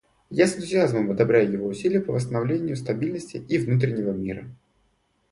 Я с энтузиазмом одобряю его усилия по восстановлению стабильности и внутреннего мира.